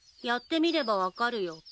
やってみれば分かるよ。